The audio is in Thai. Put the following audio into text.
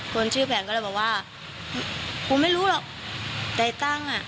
คนชื่อแผนก็เลยบอกว่ากูไม่รู้หรอกใจตั้งอ่ะ